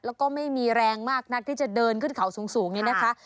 แล้วก็ไม่มีแรงมากนักที่จะเดินขึ้นเขาสูงเนี่ยนะคะ